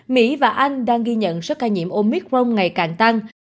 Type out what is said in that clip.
mỹ và anh đang ghi nhận số ca nhiễm omicron ngày càng tăng